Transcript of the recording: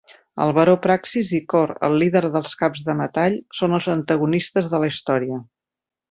El Baró Praxis i Kor, el líder dels Caps de metall, son els antagonistes de la història.